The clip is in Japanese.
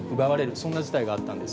そんな事態があったんです。